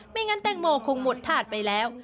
ไม่งั้นแตงโมคงหมดถาดไปแล้ว